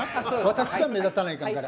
私が目立たないかんから。